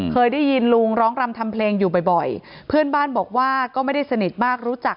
เคยได้ยินลุงร้องรำทำเพลงอยู่บ่อยเพื่อนบ้านบอกว่าก็ไม่ได้สนิทมากรู้จัก